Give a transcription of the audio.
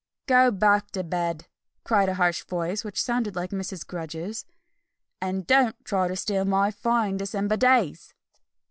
"Go back to bed!" cried a harsh voice, which sounded like Mrs. Grudge's, "and don't try to steal my fine December days!"